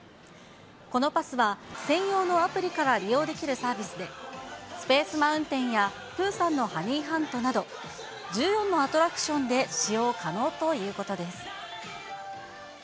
このパスは、専用のアプリから利用できるサービスで、スペース・マウンテンやプーさんのハニーハントなど、１４のアトラクションで使用可能ということです。